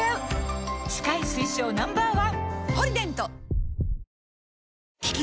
歯科医推奨 Ｎｏ．１！